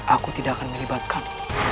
aku tidak akan melibatkan